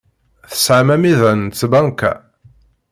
Tesɛam amiḍan n tbanka?